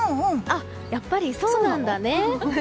やっぱりそうなんだね。